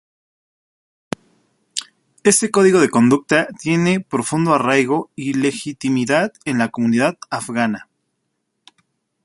Este código de conducta tiene profundo arraigo y legitimidad en la comunidad afgana.